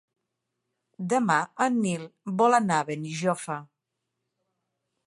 Demà en Nil vol anar a Benijòfar.